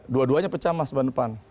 dua duanya pecah mas ban depan